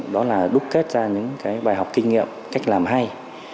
đó là đúc kết ra những bài học kinh nghiệm cách làm hay